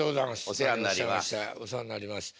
お世話になります。